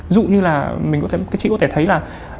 ví dụ như là chị có thể thấy là